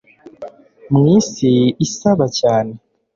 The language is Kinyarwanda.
mw'isi isaba cyane